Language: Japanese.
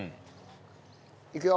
いくよ！